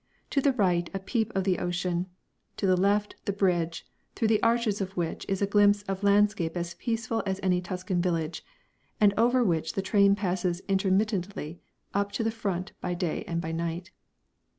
To the right a peep of the ocean. To the left the bridge, through the arches of which is a glimpse of landscape as peaceful as any Tuscan village, and over which the trains pass intermittently up to the front by day and by night.